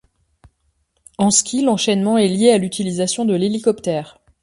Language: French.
En ski, l'enchaînement est lié à l'utilisation de l'hélicoptère.